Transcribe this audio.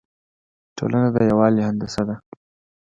ټولنه د یووالي هندسه ده.